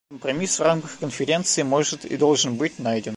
Компромисс в рамках Конференции может и должен быть найден.